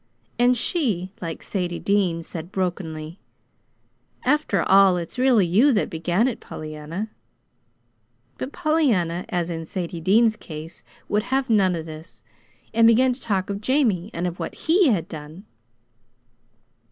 And she, like Sadie Dean, said brokenly: "After all, it's really you that began it, Pollyanna." But Pollyanna, as in Sadie Dean's case, would have none of this; and she began to talk of Jamie, and of what HE had done.